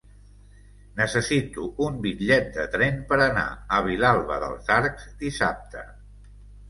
Necessito un bitllet de tren per anar a Vilalba dels Arcs dissabte.